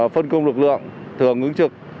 phân công lực lượng thường ứng trực